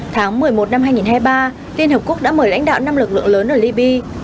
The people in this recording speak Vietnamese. tháng một mươi một năm hai nghìn hai mươi ba liên hợp quốc đã mời lãnh đạo năm lực lượng lớn ở libya